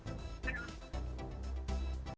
terima kasih banyak fikri